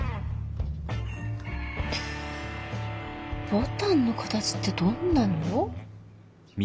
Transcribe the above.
牡丹の形ってどんなの？